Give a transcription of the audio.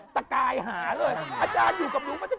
ตะกายหาล่ะ